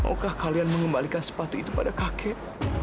maukah kalian mengembalikan sepatu itu pada kakek